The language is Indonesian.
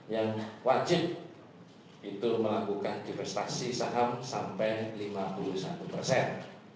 yang wajib itu melakukan divestasi saham sampai lima puluh satu persen